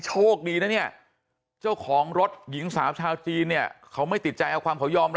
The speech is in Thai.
โชคดีนะเนี่ยเจ้าของรถหญิงสาวชาวจีนเนี่ยเขาไม่ติดใจเอาความเขายอมแล้ว